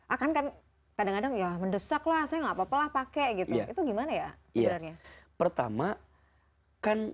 akan kan kadang kadang ya mendesak lah saya nggak papa pake gitu ya itu gimana ya iya pertama kan